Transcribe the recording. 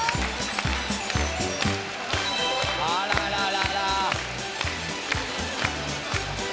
あらららら。